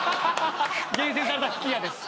厳選された吹き矢です。